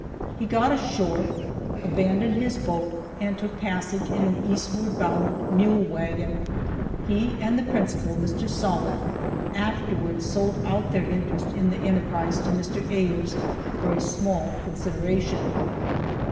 He got ashore, abandoned his boat and took passage in an eastward bound mule wagon. He and the principal, Mr. Sollitt, afterwards sold out their interest in the enterprise to Mr. Ayres for a small consideration.